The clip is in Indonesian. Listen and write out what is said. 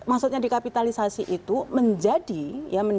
jadi maksudnya dikapitalisasi itu menjadi ya menjadi pembahasan